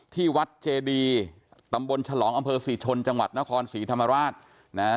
ที่วัดเจดีตำบลฉลองอำเภอศรีชนจังหวัดนครศรีธรรมราชนะฮะ